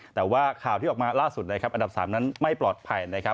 แต่ว่าข่าวที่ออกมาล่าสุดนะครับอันดับ๓นั้นไม่ปลอดภัยนะครับ